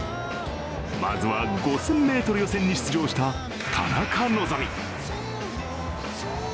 まずは５０００ｍ予選に出場した田中希実。